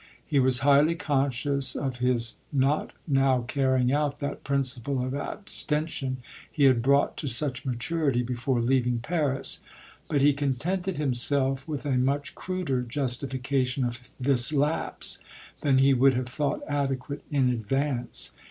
He was highly conscious of his not now carrying out that principle of abstention he had brought to such maturity before leaving Paris; but he contented himself with a much cruder justification of this lapse than he would have thought adequate in advance.